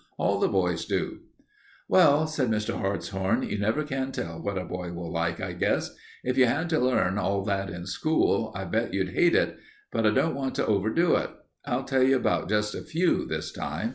All the boys do." "Well," said Mr. Hartshorn, "you never can tell what a boy will like, I guess. If you had to learn all that in school, I'll bet you'd hate it. But I don't want to overdo it. I'll tell you about just a few this time."